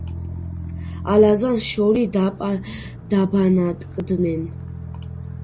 ალაზანს შორის დაბანაკდნენ.